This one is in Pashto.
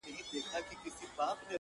د احمد شاباباه لیسې امریت